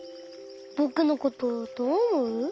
ぼくのことどうおもう？